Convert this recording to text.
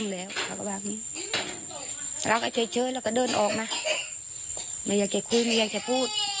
แล้วก็เฉยเราก็เดินออกมานัยอย่าจะคุยอย่าจะพูด